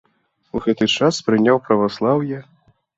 У гэты час прыняў праваслаўе.